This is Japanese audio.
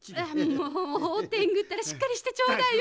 もうオテングったらしっかりしてちょうだいよ。